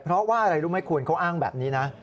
เพราะว่าอะไรรู้ไหมคุณเขาอ้างแบบนี้นะ